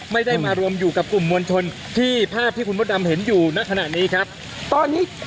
ไม่ได้มารวมอยู่กับกลุ่มมวลชนที่ภาพที่คุณมดดำเห็นอยู่ณขณะนี้ครับตอนนี้